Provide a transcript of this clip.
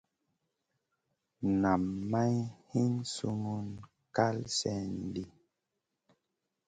Nam may hin summun kal slèn di.